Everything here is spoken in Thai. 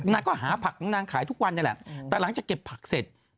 นางก็หาผักของนางขายทุกวันนี่แหละแต่หลังจากเก็บผักเสร็จ